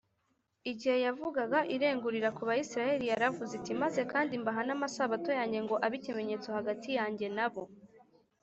igihe yavugaga irengurira ku bayisiraheli yaravuze ati, “maze kandi mbaha n’amasabato yanjye ngo abe ikimenyetso hagati yanjye na bo